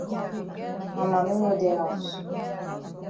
Ma mami no dey haus.